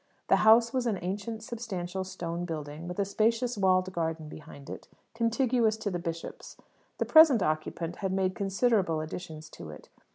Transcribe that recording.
The house was an ancient substantial stone building, with a spacious walled garden behind it, contiguous to the bishop's. The present occupant had made considerable additions to it.